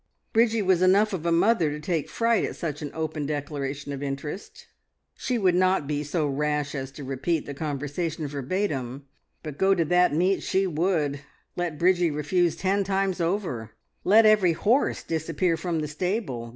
Bridgie was enough of a mother to take fright at such an open declaration of interest. She would not be so rash as to repeat the conversation verbatim, but go to that meet she would, let Bridgie refuse ten times over, let every horse disappear from the stable.